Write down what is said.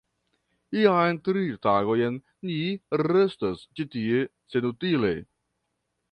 Jam tri tagojn ni restas ĉi tie senutile!